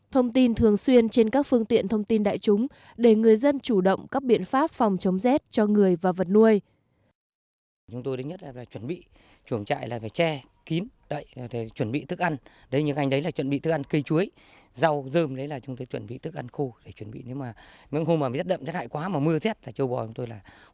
thông tin thường xuyên trên các phương tiện thông tin đại chúng để người dân chủ động các biện pháp phòng chống dết cho người và vật nuôi